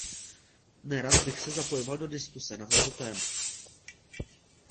Nerad bych se zapojoval do diskuse na toto téma.